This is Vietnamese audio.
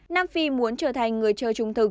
nam phi muốn trở thành người chơi trung tâm